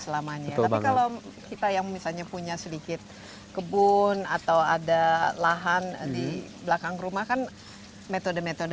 selamanya tapi kalau kita yang misalnya punya sedikit kebun atau ada lahan di belakang rumah kan metode metode